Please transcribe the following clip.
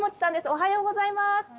おはようございます。